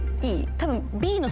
多分。